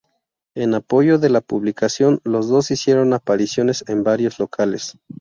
En apoyo de la publicación los dos hicieron apariciones en varios locales.